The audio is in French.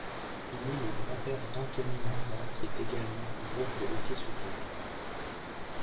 Il est le grand-père d'Anthony Mantha qui est également joueur de hockey sur glace.